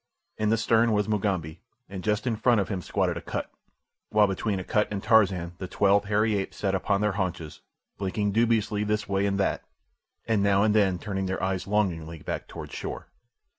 In the stern was Mugambi, and just in front of him squatted Akut, while between Akut and Tarzan the twelve hairy apes sat upon their haunches, blinking dubiously this way and that, and now and then turning their eyes longingly back toward shore.